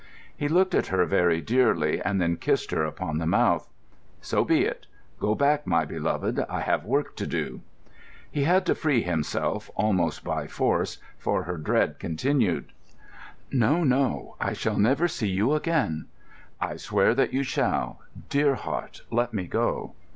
He looked at her, very dearly, and then kissed her upon the mouth. "So be it. Go back, my beloved. I have work to do." He had to free himself, almost by force, for her dread returned. "No, no; I shall never see you again." "I swear that you shall. Dear heart, let me go."